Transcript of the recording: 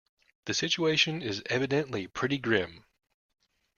The situation is evidently pretty grim.